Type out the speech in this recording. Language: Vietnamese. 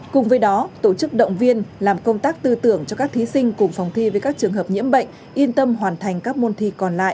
cùng với đó tổ chức động viên làm công tác tư tưởng cho các thí sinh cùng phòng thi với các trường hợp nhiễm bệnh yên tâm hoàn thành các môn thi còn lại